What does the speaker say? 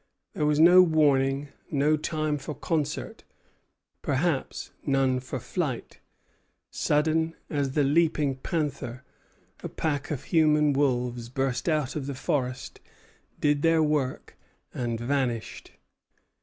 There was no warning; no time for concert, perhaps none for flight. Sudden as the leaping panther, a pack of human wolves burst out of the forest, did their work, and vanished.